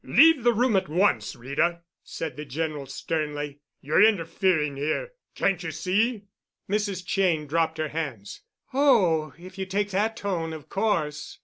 "Leave the room at once, Rita!" said the General sternly. "You're interfering here. Can't you see——?" Mrs. Cheyne dropped her hands. "Oh, if you take that tone, of course."